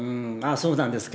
そうなんですか。